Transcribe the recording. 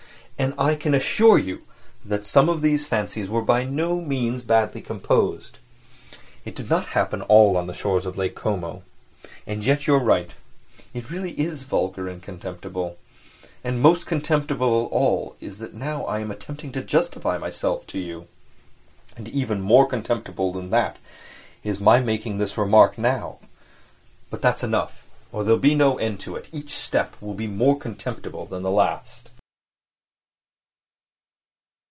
And I can assure you that some of these fancies were by no means badly composed.... It did not all happen on the shores of Lake Como. And yet you are right—it really is vulgar and contemptible. And most contemptible of all it is that now I am attempting to justify myself to you. And even more contemptible than that is my making this remark now. But that's enough, or there will be no end to it; each step will be more contemptible than the last....